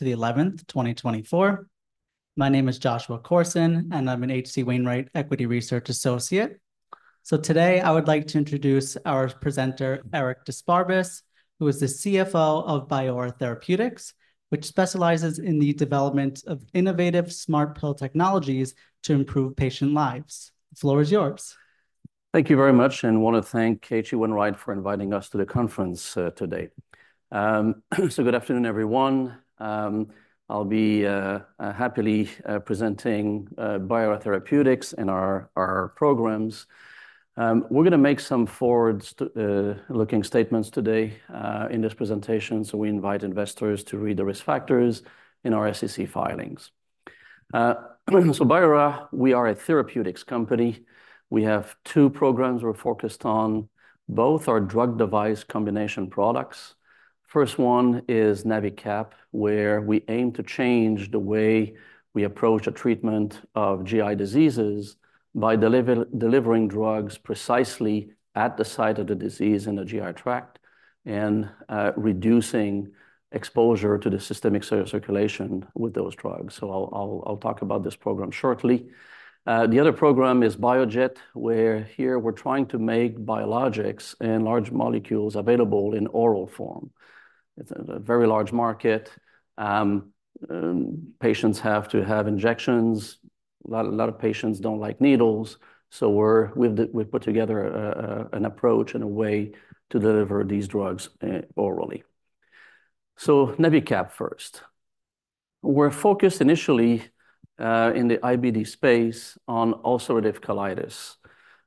To the eleventh, twenty twenty-four. My name is Joshua Korsen, and I'm an H.C. Wainwright Equity Research Associate. So today, I would like to introduce our presenter, Eric d'Esparbes, who is the CFO of Biora Therapeutics, which specializes in the development of innovative smart pill technologies to improve patient lives. The floor is yours. Thank you very much, and want to thank H.C. Wainwright for inviting us to the conference, today. Good afternoon, everyone. I'll be happily presenting Biora Therapeutics and our programs. We're going to make some forward-looking statements today in this presentation, so we invite investors to read the risk factors in our SEC filings. Biora, we are a therapeutics company. We have two programs we're focused on. Both are drug device combination products. First one is NaviCap, where we aim to change the way we approach a treatment of GI diseases by delivering drugs precisely at the site of the disease in the GI tract and reducing exposure to the systemic circulation with those drugs. I'll talk about this program shortly. The other program is BioJet, where we're trying to make biologics and large molecules available in oral form. It's a very large market. Patients have to have injections. A lot of patients don't like needles, so we've put together an approach and a way to deliver these drugs orally. So NaviCap first. We're focused initially in the IBD space on ulcerative colitis.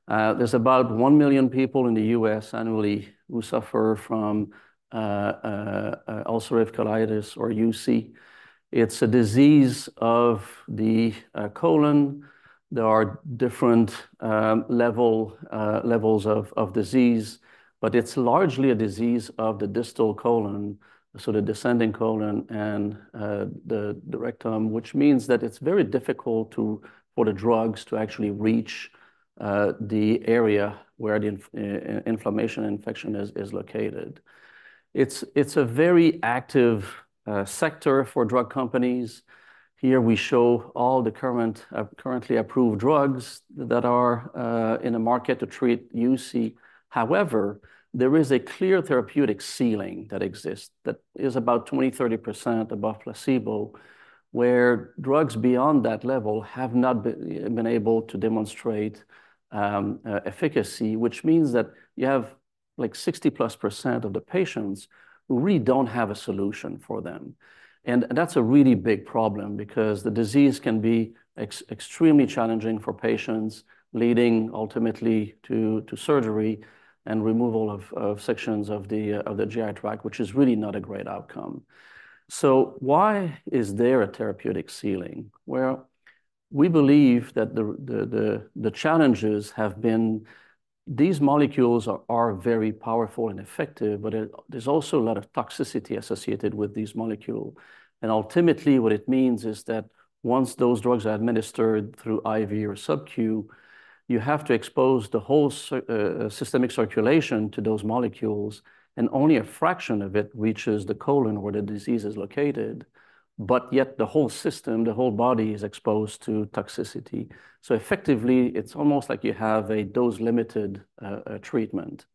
There's about one million people in the U.S. annually who suffer from Ulcerative Colitis or UC. It's a disease of the colon. There are different levels of disease, but it's largely a disease of the distal colon, so the descending colon and the rectum, which means that it's very difficult for the drugs to actually reach the area where the inflammation is located. It's a very active sector for drug companies. Here we show all the currently approved drugs that are in the market to treat UC. However, there is a clear therapeutic ceiling that exists, that is about 20%-30% above placebo, where drugs beyond that level have not been able to demonstrate efficacy, which means that you have, like, 60+% of the patients who really don't have a solution for them. That's a really big problem because the disease can be extremely challenging for patients, leading ultimately to surgery and removal of sections of the GI tract, which is really not a great outcome. Why is there a therapeutic ceiling? We believe that the challenges have been... These molecules are very powerful and effective, but there's also a lot of toxicity associated with these molecule. Ultimately, what it means is that once those drugs are administered through IV or subcu, you have to expose the whole systemic circulation to those molecules, and only a fraction of it reaches the colon where the disease is located. Yet the whole system, the whole body, is exposed to toxicity. Effectively, it's almost like you have a dose-limited treatment.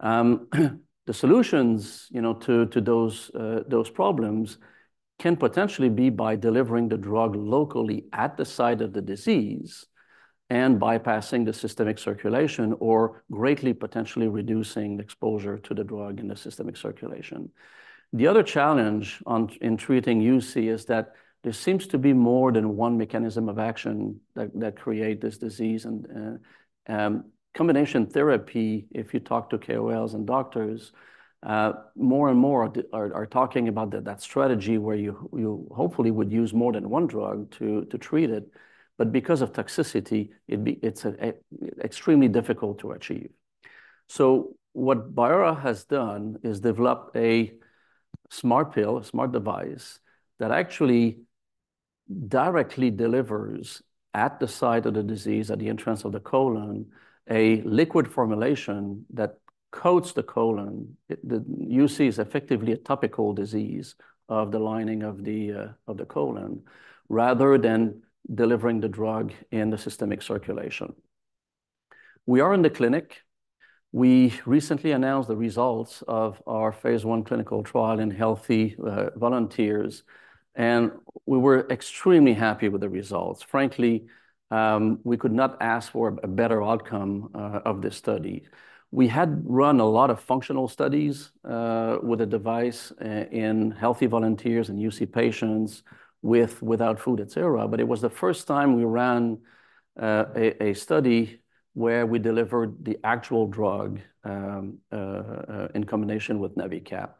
The solutions, you know, to those problems can potentially be by delivering the drug locally at the site of the disease and bypassing the systemic circulation, or greatly potentially reducing exposure to the drug in the systemic circulation. The other challenge in treating UC is that there seems to be more than one mechanism of action that create this disease. Combination therapy, if you talk to KOLs and doctors, more and more are talking about that strategy where you hopefully would use more than one drug to treat it. But because of toxicity, it's extremely difficult to achieve. So what Biora has done is developed a smart pill, a smart device, that actually directly delivers at the site of the disease, at the entrance of the colon, a liquid formulation that coats the colon. The UC is effectively a topical disease of the lining of the colon, rather than delivering the drug in the systemic circulation. We are in the clinic. We recently announced the results of our phase I clinical trial in healthy volunteers, and we were extremely happy with the results. Frankly, we could not ask for a better outcome of this study. We had run a lot of functional studies with the device in healthy volunteers and UC patients, with without food, et cetera, but it was the first time we ran a study where we delivered the actual drug in combination with NaviCap.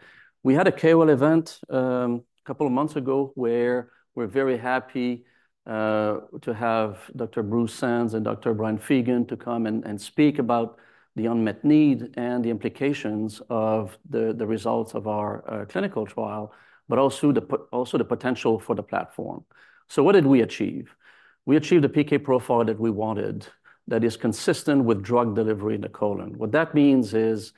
We had a KOL event a couple of months ago, where we're very happy to have Dr. Bruce Sands and Dr. Brian Feagan to come and speak about the unmet need and the implications of the results of our clinical trial, but also the potential for the platform. So what did we achieve? We achieved a PK profile that we wanted that is consistent with drug delivery in the colon. What that means is,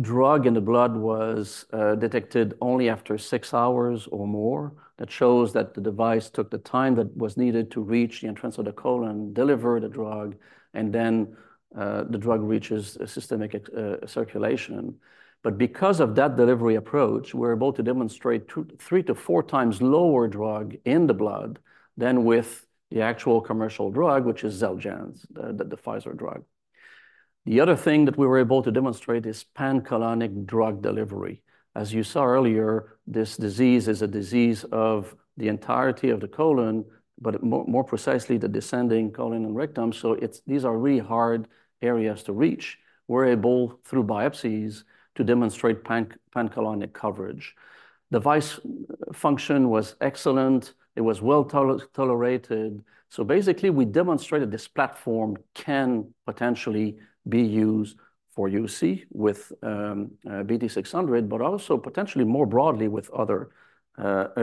drug in the blood was detected only after six hours or more. That shows that the device took the time that was needed to reach the entrance of the colon, deliver the drug, and then, the drug reaches a systemic circulation. But because of that delivery approach, we're able to demonstrate two, three to four times lower drug in the blood than with the actual commercial drug, which is XELJANZ, the Pfizer drug. The other thing that we were able to demonstrate is pancolonic drug delivery. As you saw earlier, this disease is a disease of the entirety of the colon, but more precisely, the descending colon and rectum. So it's these are really hard areas to reach. We're able, through biopsies, to demonstrate pancolonic coverage. Device function was excellent. It was well tolerated. So basically, we demonstrated this platform can potentially be used for UC with BT-600, but also potentially more broadly with other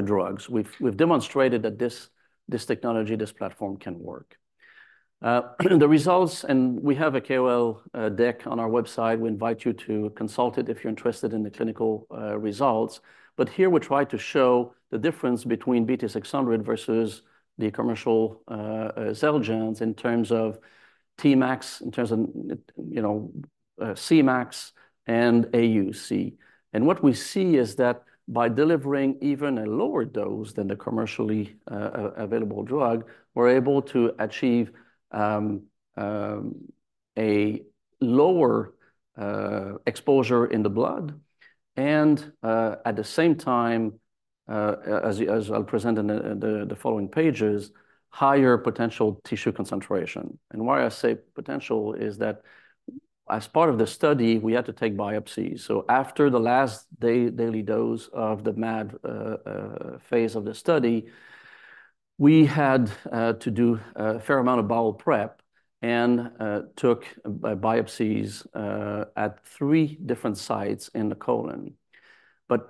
drugs. We've demonstrated that this technology, this platform can work. The results, and we have a KOL deck on our website. We invite you to consult it if you're interested in the clinical results. But here, we try to show the difference between BT-600 versus the commercial XELJANZ in terms of Tmax, in terms of, you know, Cmax and AUC. And what we see is that by delivering even a lower dose than the commercially available drug, we're able to achieve a lower exposure in the blood, and at the same time, as I'll present in the following pages, higher potential tissue concentration. Why I say potential is that as part of the study, we had to take biopsies. After the last daily dose of the MAD phase of the study, we had to do a fair amount of bowel prep and took biopsies at three different sites in the colon.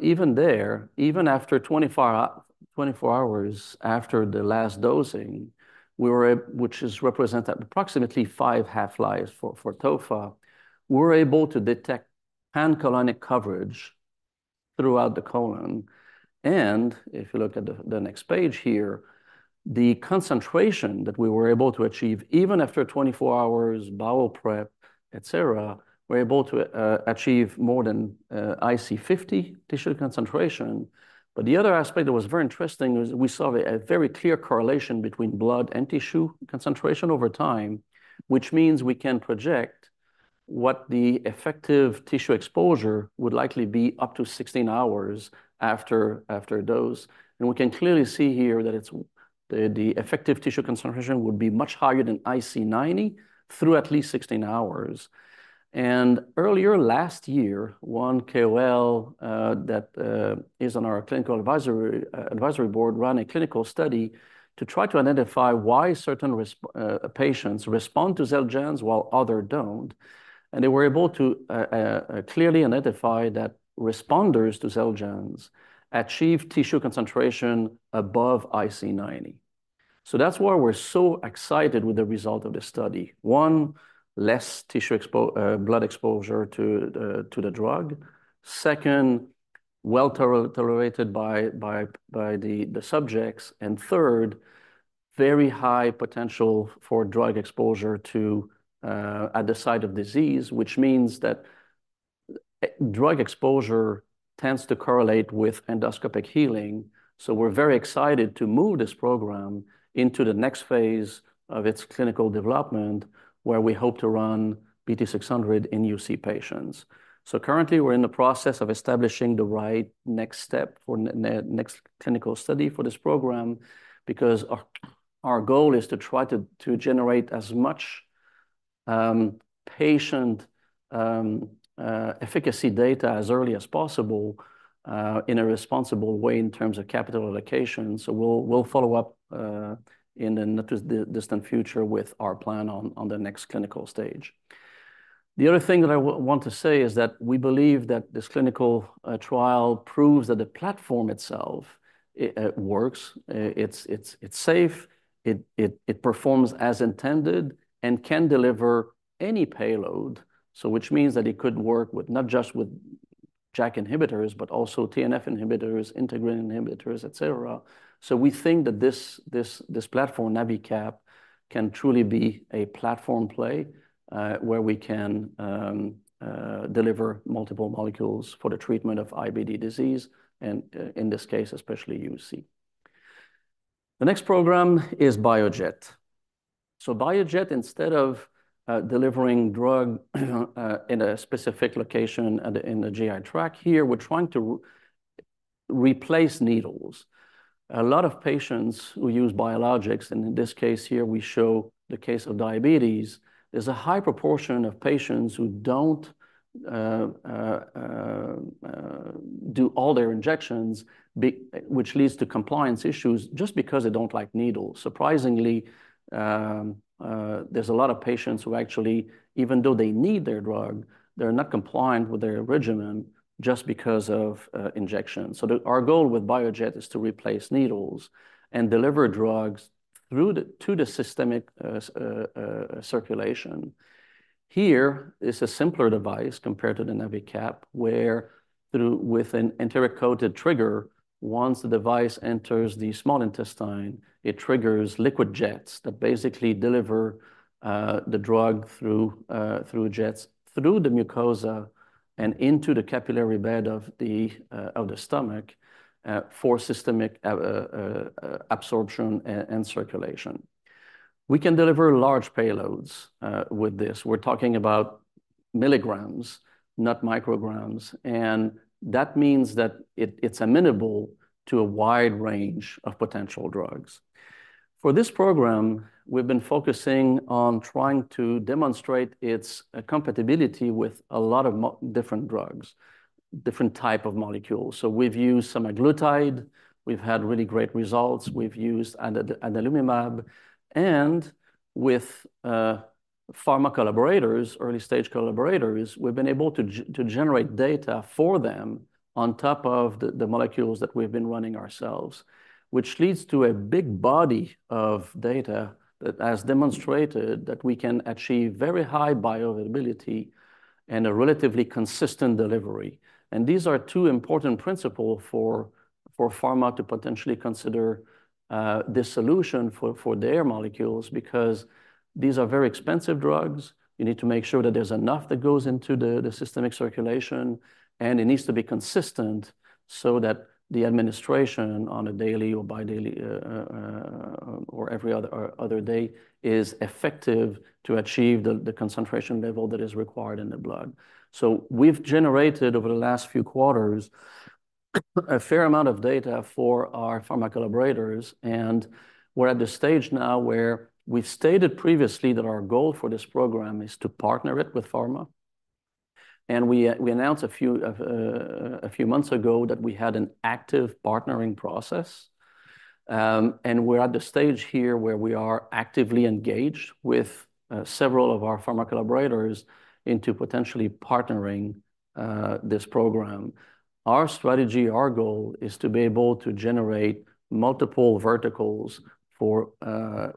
Even there, even after 24 hours after the last dosing, which represents approximately five half-lives for tofa, we were able to detect pancolonic coverage throughout the colon. If you look at the next page here, the concentration that we were able to achieve, even after 24 hours, bowel prep, et cetera, we're able to achieve more than IC50 tissue concentration. But the other aspect that was very interesting was we saw a very clear correlation between blood and tissue concentration over time, which means we can project what the effective tissue exposure would likely be up to 16 hours after a dose. And we can clearly see here that it's the effective tissue concentration would be much higher than IC90 through at least 16 hours. And earlier last year, one KOL that is on our clinical advisory board ran a clinical study to try to identify why certain patients respond to XELJANZ while other don't. And they were able to clearly identify that responders to XELJANZ achieve tissue concentration above IC90. So that's why we're so excited with the result of this study. One, less blood exposure to the drug. Second, well tolerated by the subjects. And third, very high potential for drug exposure to at the site of disease, which means that drug exposure tends to correlate with endoscopic healing. So we're very excited to move this program into the next phase of its clinical development, where we hope to run BT-600 in UC patients. So currently, we're in the process of establishing the right next step for next clinical study for this program, because our goal is to try to generate as much patient efficacy data as early as possible in a responsible way in terms of capital allocation. So we'll follow up in the not too distant future with our plan on the next clinical stage. The other thing that I want to say is that we believe that this clinical trial proves that the platform itself, it works, it's safe, it performs as intended and can deliver any payload. So which means that it could work with not just with JAK inhibitors, but also TNF inhibitors, integrin inhibitors, et cetera. So we think that this platform, NaviCap, can truly be a platform play, where we can deliver multiple molecules for the treatment of IBD disease, and in this case, especially UC. The next program is BioJet. So BioJet, instead of delivering drug in a specific location in the GI tract, here, we're trying to replace needles. A lot of patients who use biologics, and in this case here, we show the case of diabetes, there's a high proportion of patients who don't do all their injections, which leads to compliance issues, just because they don't like needles. Surprisingly, there's a lot of patients who actually, even though they need their drug, they're not compliant with their regimen just because of injections. So our goal with BioJet is to replace needles and deliver drugs through to the systemic circulation. Here is a simpler device compared to the NaviCap, where through, with an enteric-coated trigger, once the device enters the small intestine, it triggers liquid jets that basically deliver the drug through jets, through the mucosa-... and into the capillary bed of the stomach for systemic absorption and circulation. We can deliver large payloads with this. We're talking about milligrams, not micrograms, and that means that it, it's amenable to a wide range of potential drugs. For this program, we've been focusing on trying to demonstrate its compatibility with a lot of different drugs, different type of molecules. So we've used semaglutide, we've had really great results. We've used adalimumab, and with pharma collaborators, early-stage collaborators, we've been able to generate data for them on top of the molecules that we've been running ourselves, which leads to a big body of data that has demonstrated that we can achieve very high bioavailability and a relatively consistent delivery. These are two important principles for pharma to potentially consider this solution for their molecules, because these are very expensive drugs. You need to make sure that there's enough that goes into the systemic circulation, and it needs to be consistent so that the administration on a daily or bi-daily or every other day is effective to achieve the concentration level that is required in the blood. So we've generated, over the last few quarters, a fair amount of data for our pharma collaborators, and we're at the stage now where we've stated previously that our goal for this program is to partner it with pharma. And we announced a few months ago that we had an active partnering process. And we're at the stage here where we are actively engaged with several of our pharma collaborators into potentially partnering this program. Our strategy, our goal, is to be able to generate multiple verticals for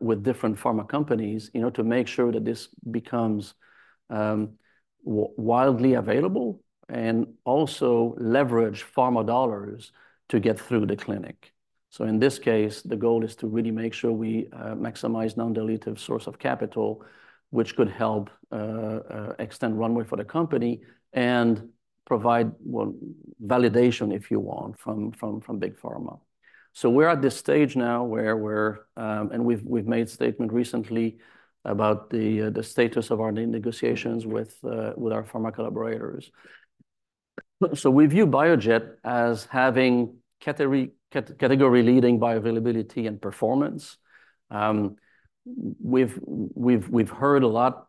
with different pharma companies, you know, to make sure that this becomes widely available, and also leverage pharma dollars to get through the clinic, so in this case, the goal is to really make sure we maximize non-dilutive source of capital, which could help extend runway for the company and provide well, validation, if you want, from big pharma. We're at the stage now where we're, and we've made statement recently about the status of our negotiations with our pharma collaborators, so we view BioJet as having category-leading bioavailability and performance. We've heard a lot,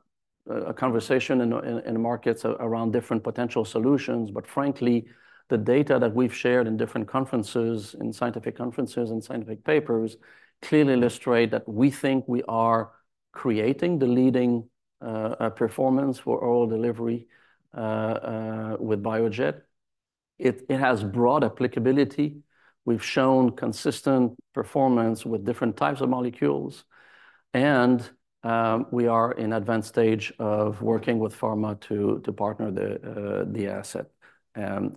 a conversation in the markets around different potential solutions, but frankly, the data that we've shared in different conferences, in scientific conferences and scientific papers, clearly illustrate that we think we are creating the leading performance for oral delivery with BioJet. It has broad applicability. We've shown consistent performance with different types of molecules, and we are in advanced stage of working with pharma to partner the asset.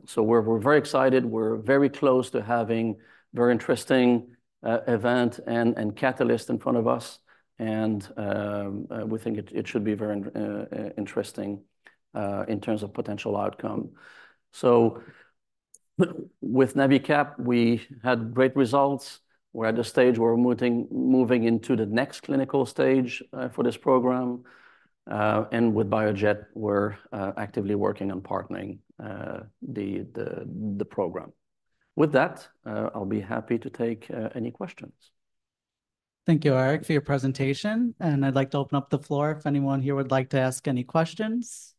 So we're very excited. We're very close to having very interesting event and catalyst in front of us, and we think it should be very interesting in terms of potential outcome. So with NaviCap, we had great results. We're at the stage we're moving into the next clinical stage for this program. And with BioJet, we're actively working on partnering the program. With that, I'll be happy to take any questions. Thank you, Eric, for your presentation, and I'd like to open up the floor if anyone here would like to ask any questions,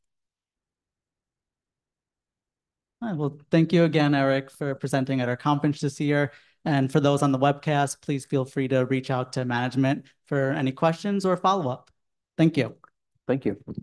well, thank you again, Eric, for presenting at our conference this year, and for those on the webcast, please feel free to reach out to management for any questions or follow-up. Thank you. Thank you.